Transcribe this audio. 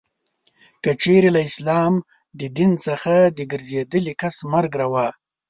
که چیري له اسلام د دین څخه د ګرځېدلې کس مرګ روا.